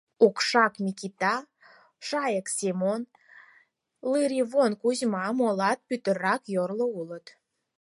Окшак Микита, Шайык Семон, Лыривон Кузьма, молат путырак йорло улыт.